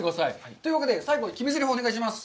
というわけで、最後に決めぜりふ、お願いします。